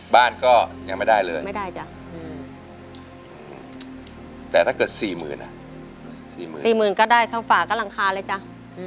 บ้านก็ยังไม่ได้เลยแต่ถ้าเกิด๔๐๐๐๐ถุง๔๐๐๐๐ก็ได้เนาฝากระหลังคาเลยเจ้า